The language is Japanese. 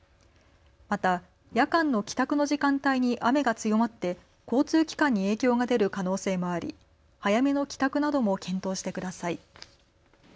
また夜間の帰宅の時間帯に雨が強まって交通機関に影響が出る可能性もあり、早めの帰宅なども検討してください。